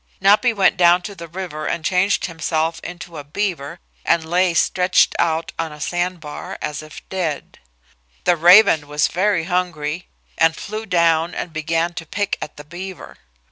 Napi went down to the river and changed himself into a beaver and lay stretched out on a sandbar, as if dead. The raven was very hungry and flew down and began to pick at the beaver.